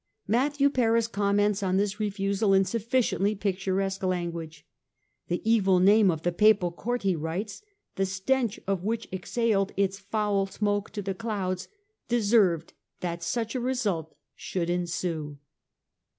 Matthew Paris comments on this refusal in sufficiently picturesque language. " The evil name of the Papal court," he writes, " the stench of which ex haled its foul smoke to the clouds, deserved that such a result should ensue."